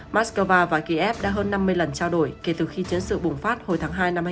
moscow và kiev đã hơn năm mươi lần trao đổi kể từ khi chiến sự bùng phát hồi tháng hai năm hai nghìn hai mươi